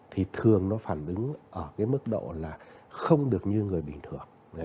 thì thường nó phản ứng ở cái mức độ là không được như người bình thường